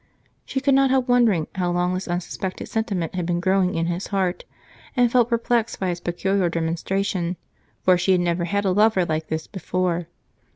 She could not help wondering how long this unsuspected sentiment had been growing in his heart and felt perplexed by its peculiar demonstration, for she had never had a lover like this before.